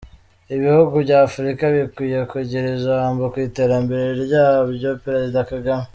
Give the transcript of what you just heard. Ibihugu by’Afurika bikwiye kugira ijambo ku iterambere ryabyo Perezida Kagame